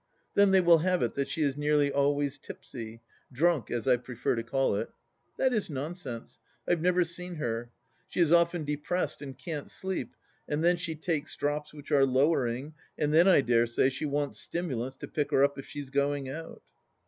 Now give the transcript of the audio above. Then they will have it that she is nearly always tipsy — drunk as I prefer to call it. That is nonsense ; I've never seen her. She is often depressed and can't sleep, and then she takes drops which are lowering, and then I dare say she wants stimulants to pick her up if she is going out.